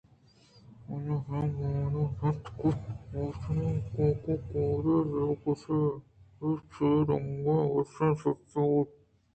آئیءَہمے کُونزگءَرا چِست کُتءُ بوچنان کُوکارءُ زارگوٛشت اَئے! اَئے! اے چہ رنگیں وشّیں شرابے بُوتگ